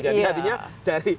jadi artinya dari